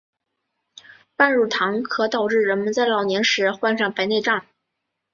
半乳糖可导致人们在老年时患上白内障。